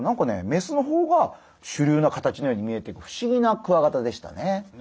メスの方が主流な形のように見えてく不思議なクワガタでしたね。